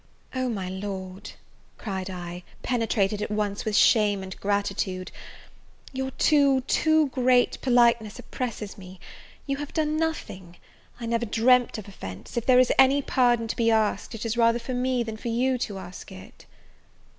"Oh, my Lord," cried I, penetrated at once with shame and gratitude, "your too, too great politeness oppresses me! you have done nothing, I have never dreamt of offence if there is any pardon to be asked it is rather for me, than for you to ask it."